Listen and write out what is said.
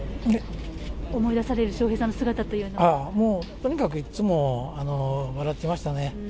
思い出される笑瓶さんの姿というもうとにかくいつも笑ってましたね。